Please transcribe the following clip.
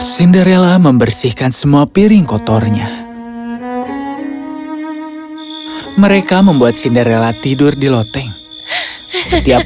cinderella membersihkan semua piring kotornya mereka membuat cinder rela tidur di loteng setiap